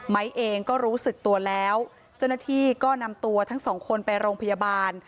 เองก็รู้สึกตัวแล้วเจ้าหน้าที่ก็นำตัวทั้งสองคนไปโรงพยาบาล